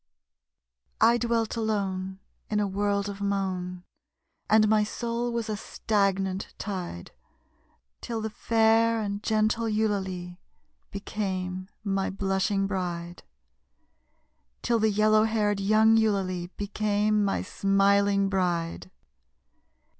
I dwelt alone In a world of moan, And my soul was a stagnant tide, Till the fair and gentle Eulalie became my blushing bride Till the yellow haired young Eulalie became my smiling bride.